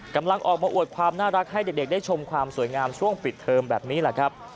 กำลังออกมาอวดความน่ารักให้เด็กได้ชมความสวยงามช่วงปิดเทอมแบบนี้แหละครับ